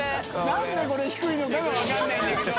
燭これ低いのかが分からないんだけど。